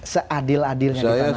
seadil adilnya di tanah air ini